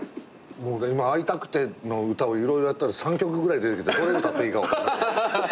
今「会いたくて」の歌を色々やったら３曲ぐらい出てきてどれ歌っていいか分かんない。